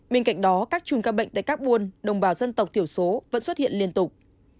bên cạnh đó các chùm các bệnh tại các buôn đồng bào dân tộc thiểu số vẫn xuất hiện liên tục